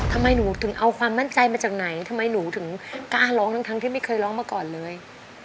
ทำไมหนูถึงเอาความมั่นใจมาจากไหนทำไมหนูถึงกล้าร้องทั้งที่ไม่เคยร้องมาก่อนเลย